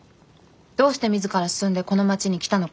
どうしてみずから進んでこの町に来たのか。